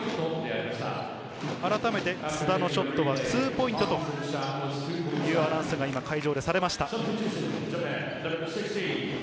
あらためて須田のショットはツーポイントというアナウンスが会場でされました。